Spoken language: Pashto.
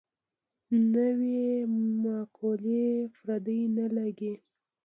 نوې مقولې پردۍ نه لګي.